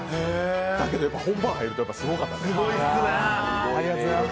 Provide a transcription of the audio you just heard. だけど本番に入るとすごかったね。